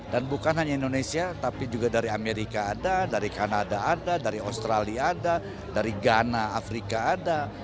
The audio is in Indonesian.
dan bukan hanya indonesia tapi juga dari amerika ada dari kanada ada dari australia ada dari ghana afrika ada